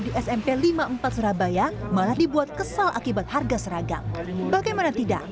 di smp lima puluh empat surabaya malah dibuat kesal akibat harga seragam bagaimana tidak